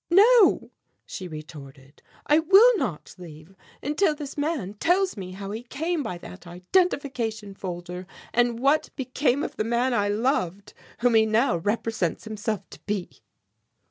"No," she retorted, "I will not leave until this man tells me how he came by that identification folder and what became of the man I loved, whom he now represents himself to be."